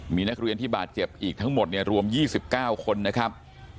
มีนักเรียนที่บาดเจ็บอีกทั้งหมดเนี่ยรวม๒๙คนนะครับ